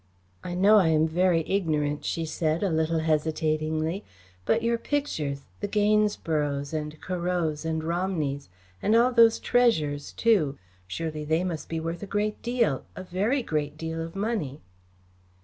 "I know I am very ignorant," she said, a little hesitatingly, "but your pictures the Gainsboroughs and Corots and Romneys, and all those treasures too surely they must be worth a great deal a very great deal of money."